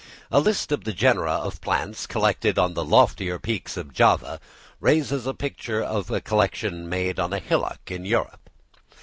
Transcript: A list of the genera of plants collected on the loftier peaks of Java, raises a picture of a collection made on a hillock in Europe.